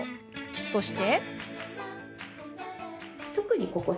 そして。